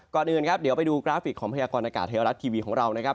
ก่อนอื่นครับเดี๋ยวไปดูกราฟิกของพยากรณากาศไทยรัฐทีวีของเรานะครับ